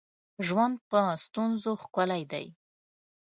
ژوند په ستونزو ښکلی دی